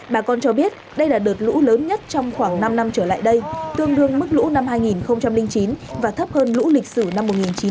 bà con cho biết đây là đợt lũ lớn nhất trong khoảng năm năm trở lại đây tương đương mức lũ năm hai nghìn chín và thấp hơn lũ lịch sử năm một nghìn chín trăm chín mươi